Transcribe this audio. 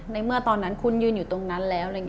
ในเมื่อตอนนั้นคุณยืนอยู่ตรงนั้นแล้ว